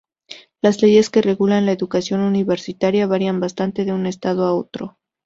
Las leyes que regulan la educación universitaria varían bastante de un estado a otro.